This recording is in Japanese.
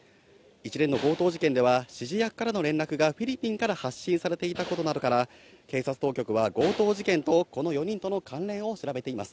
一連の強盗事件では、指示役からの連絡がフィリピンから発信されていたことなどから、警察当局は強盗事件とこの４人との関連を調べています。